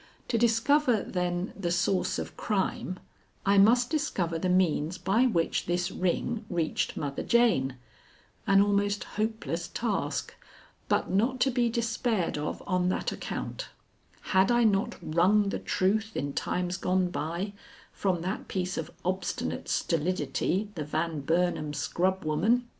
To discover, then, the source of crime, I must discover the means by which this ring reached Mother Jane an almost hopeless task, but not to be despaired of on that account: had I not wrung the truth in times gone by from that piece of obstinate stolidity the Van Burnam scrub woman?